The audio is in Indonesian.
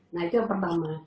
nah itu yang pertama